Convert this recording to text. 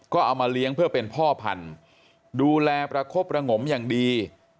ก็เอามาเลี้ยงเพื่อเป็นพ่อพันธุ์ดูแลประคบประงมอย่างดี